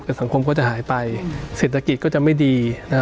เปรียบใส่สังคมก็จะหายไปเสร็จฐกิจก็จะไม่ดีนะคะ